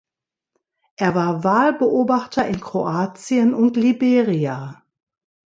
Er war Wahlbeobachter in Kroatien und Liberia.